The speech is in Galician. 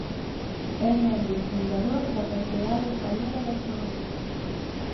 É membro fundador da Sociedade Española de Astronomía.